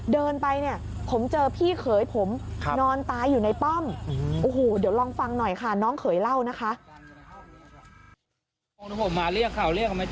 เดินไปเนี่ยผมเจอพี่เขยผมนอนตายอยู่ในป้อมโอ้โหเดี๋ยวลองฟังหน่อยค่ะน้องเขยเล่านะคะ